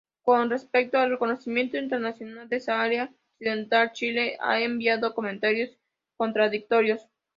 Con respecto al reconocimiento internacional del Sáhara occidental, Chile ha enviado comentarios contradictorios.